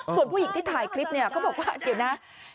ส่วนผู้หญิงที่ถ่ายคลิปเนี่ยเขาบอกว่าเดี๋ยวนะ